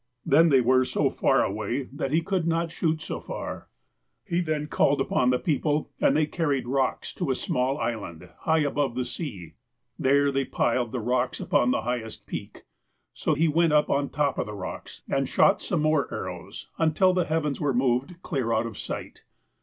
Then they were so far away that he could not THE TSIMSHEANS 63 shoot so far. He then called upon the people, and they carried rocks to a small island, high above the sea. There they piled the rocks upon the highest peak. So he went up on top of the rocks, and shot some more ar rows, until the heavens were moved clear out of sight.